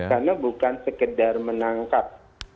karena bukan sekedar menangkap